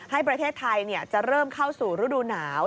ให้ประเทศไทยจะเริ่มเข้าสู่ฤดูหนาว